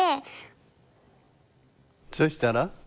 そうしたら？